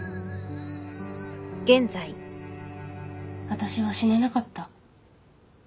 私は死ねなかった。